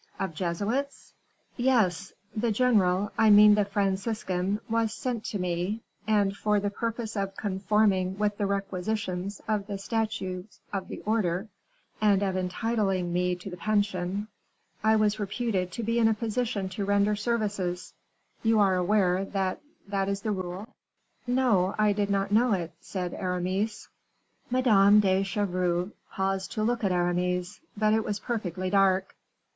"Of Jesuits?" "Yes. The general I mean the Franciscan was sent to me; and, for the purpose of conforming with the requisitions of the statues of the order, and of entitling me to the pension, I was reputed to be in a position to render certain services. You are aware that that is the rule?" "No, I did not know it," said Aramis. Madame de Chevreuse paused to look at Aramis, but it was perfectly dark.